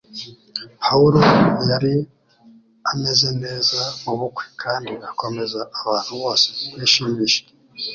Pawulo yari ameze neza mubukwe kandi akomeza abantu bose kwishimisha